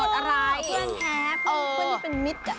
อะไรเพื่อนแท้เพื่อนที่เป็นมิตร